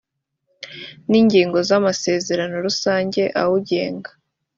n ingingo z amasezerano rusange awugenga